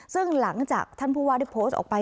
ซึ่งหลังจากท่านผู้ว่าได้โพสต์ออกไป